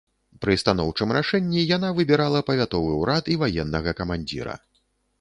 Пры станоўчым рашэнні яна выбірала павятовы ўрад і ваеннага камандзіра.